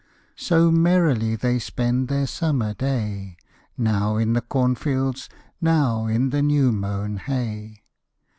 So merrily they spend their summer day, Now in the cornfields, now the new mown hay.